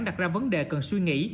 đặt ra vấn đề cần suy nghĩ